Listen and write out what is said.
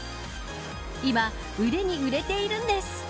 今、売れに売れているんです。